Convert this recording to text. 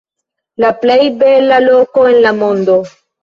La plej bela loko en la mondo.